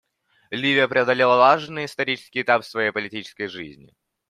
Ливия преодолела важный исторический этап в своей политической жизни.